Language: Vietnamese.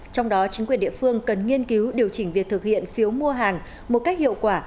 trong đó chính quyền địa phương cần nghiên cứu điều chỉnh việc thực hiện phiếu mua hàng một cách hiệu quả